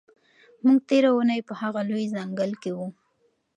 موږ تېره اونۍ په هغه لوی ځنګل کې وو.